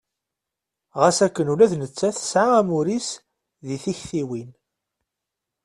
Ɣas akken ula d nettat tesɛa amur-is deg tiktiwin.